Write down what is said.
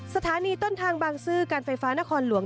สถานีต้นทางบางซื่อการไฟฟ้านครหลวง